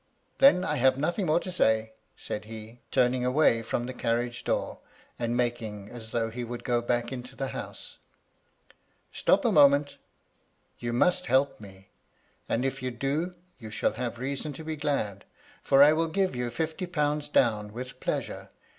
*Then I have nothing more to say,' said he, turn ing away firom the carriage 4oor, and making as though he would go back into the house. "* Stop a moment You must help me ; and, if you do, you shall have reason to be glad, for I will give you fifty pounds down with pleasure.